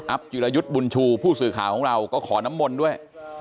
จิรยุทธ์บุญชูผู้สื่อข่าวของเราก็ขอน้ำมนต์ด้วย